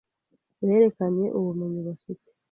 berekanye ubumenyi bafite